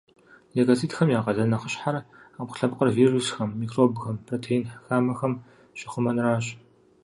Лейкоцитхэм я къалэн нэхъыщхьэр — ӏэпкълъэпкъыр вирусхэм, микробхэм, протеин хамэхэм щахъумэнращ.